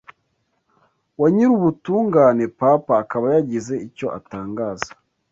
wa Nyirubutungane Papa, akaba yagize icyo atangaza